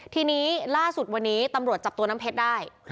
ทีนี้ล่าสุดวันนี้ตำรวจจับตัวน้ำเพชรได้